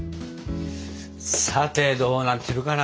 さてどうなってるかな？